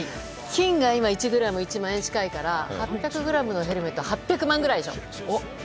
金が今、１ｇ１万円近いから８００ｇのヘルメット８００万円くらいでしょ。